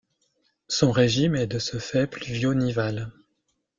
Son régime est de ce fait pluvio-nival.